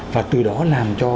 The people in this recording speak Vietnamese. và từ đó làm cho